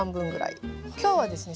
今日はですね